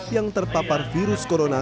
yang terpapar virus corona